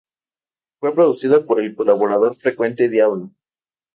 Fue producida por el colaborador frecuente Diablo.